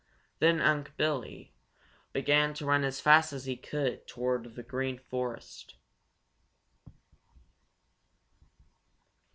Then Unc' Billy began to run as fast as he could toward the Green Forest.